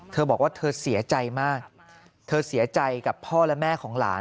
เธอบอกว่าเธอเสียใจมากเธอเสียใจกับพ่อและแม่ของหลาน